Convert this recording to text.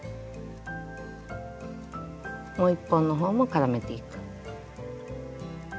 もう一本の方も絡めていく。